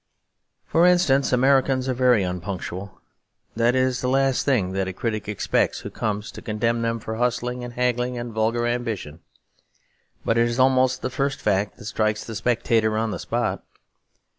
For instance, Americans are very unpunctual. That is the last thing that a critic expects who comes to condemn them for hustling and haggling and vulgar ambition. But it is almost the first fact that strikes the spectator on the spot.